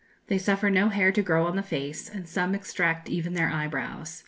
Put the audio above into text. They suffer no hair to grow on the face, and some extract even their eyebrows.